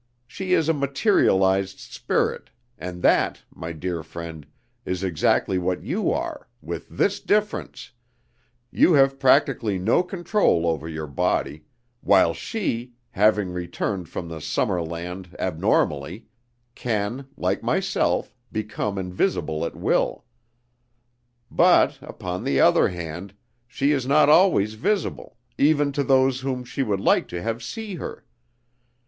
She is a materialized spirit, and that, my dear friend, is exactly what you are, with this difference: you have practically no control over your body; while she, having returned from the summer land abnormally, can, like myself, become invisible at will; but, upon the other hand, she is not always visible, even to those whom she would like to have see her.